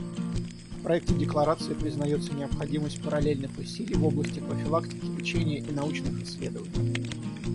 В проекте декларации признается необходимость параллельных усилий в области профилактики, лечения и научных исследований.